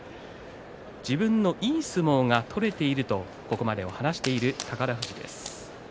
自分のいい相撲が取れているとここまでを話している宝富士です。